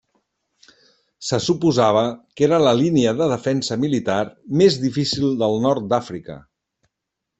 Se suposava que era la línia de defensa militar més difícil del nord d'Àfrica.